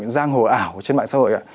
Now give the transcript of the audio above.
giang hồ ảo trên mạng xã hội